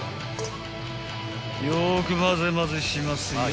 ［よくまぜまぜしますよ］